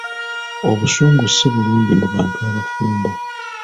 Obusungu si bulungi mu bantu abafumbo.